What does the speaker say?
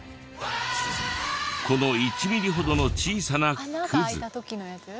この１ミリほどの小さなクズ